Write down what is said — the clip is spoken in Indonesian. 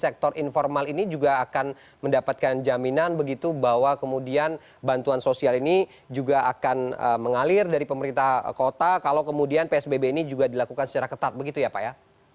sektor informal ini juga akan mendapatkan jaminan begitu bahwa kemudian bantuan sosial ini juga akan mengalir dari pemerintah kota kalau kemudian psbb ini juga dilakukan secara ketat begitu ya pak ya